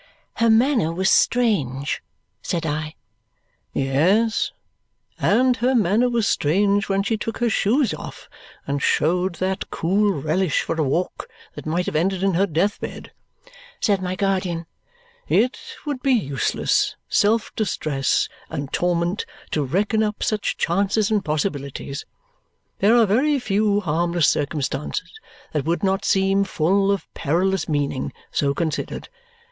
"Her manner was strange," said I. "Yes, and her manner was strange when she took her shoes off and showed that cool relish for a walk that might have ended in her death bed," said my guardian. "It would be useless self distress and torment to reckon up such chances and possibilities. There are very few harmless circumstances that would not seem full of perilous meaning, so considered.